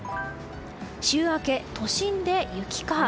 週明け、都心で雪か。